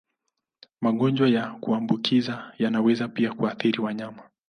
Magonjwa ya kuambukiza yanaweza pia kuathiri wanyama.